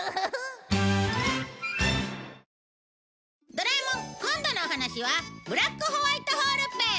『ドラえもん』今度のお話はブラック・ホワイトホールペン